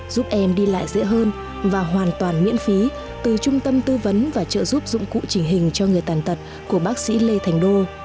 giúp em đi lại dễ hơn và hoàn toàn miễn phí từ trung tâm tư vấn và trợ giúp dụng cụ trình hình cho người tàn tật của bác sĩ lê thành đô